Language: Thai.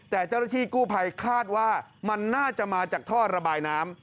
แต่เจ้าหน้าที่กู้ภัยคาดว่ามันน่าจะมาจากท่อระบายน้ำ